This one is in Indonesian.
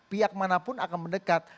pihak manapun akan mendekat